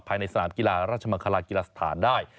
ภายในสนามกีฬาราชมังคลากีฬาสถานได้